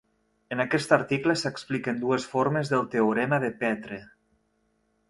En aquest article s'expliquen dues formes del teorema de Peetre.